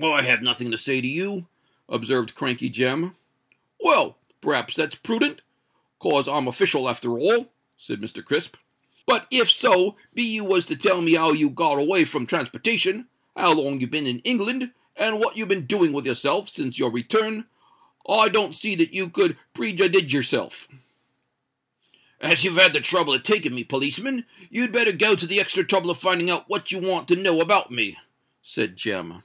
"I have nothing to say to you," observed Crankey Jem. "Well—p'rhaps that's prudent,—'cos I'm official after all," said Mr. Crisp. "But if so be you was to tell me how you got away from transportation, how long you've been in England, and what you've been doing with yourself since your return, I don't see that you could prejjudidge yourself." "As you've had the trouble of taking me, policeman, you'd better go to the extra trouble of finding out what you want to know about me," said Jem.